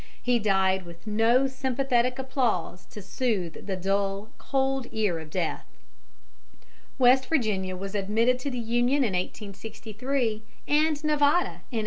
He died with no sympathetic applause to soothe the dull, cold ear of death. West Virginia was admitted to the Union in 1863, and Nevada in 1864.